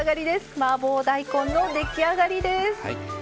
マーボー大根の出来上がりです。